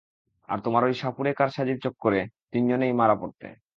আর তোমার ঐ সাপুড়ে কারসাজির চক্করে তিনজনেই মারা পড়তে।